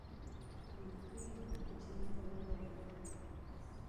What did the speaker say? مکۍ اکبر جان ته وویل.